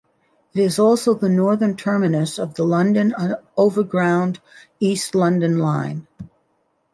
It is also the northern terminus of the London Overground East London Line.